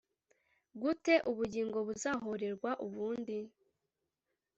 gute ubugingo buzahorerwe ubundi